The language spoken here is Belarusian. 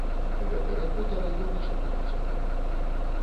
Гэтага хутара ён і шукаў цяпер.